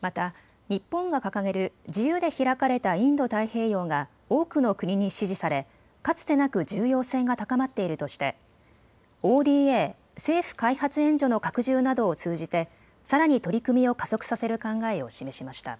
また日本が掲げる自由で開かれたインド太平洋が多くの国に支持され、かつてなく重要性が高まっているとしてＯＤＡ・政府開発援助の拡充などを通じてさらに取り組みを加速させる考えを示しました。